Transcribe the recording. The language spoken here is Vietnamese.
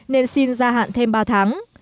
nên xin gia hạn thêm ba tháng